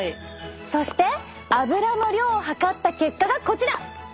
そしてアブラの量を測った結果がこちら！